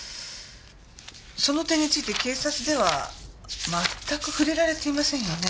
その点について警察では全く触れられていませんよね？